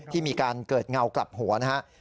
ที่มีการเกิดเงากลับหัวนะครับ